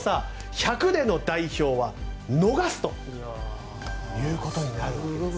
１００ｍでの代表は逃すということになるんです。